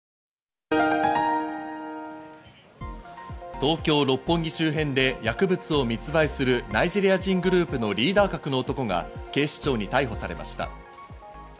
東京・六本木周辺で薬物を密売するナイジェリア人グループのリーダー格の男が警視庁に逮捕されました。